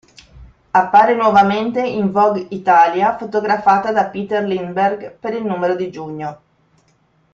Appare nuovamente in "Vogue Italia", fotografata da Peter Lindbergh per il numero di giugno.